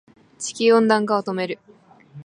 地球温暖化を止める